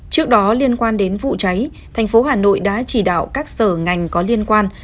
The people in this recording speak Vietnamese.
trước đó liên quan đến vụ cháy thành phố hà nội đã chỉ đạo các sở ngành có liên quan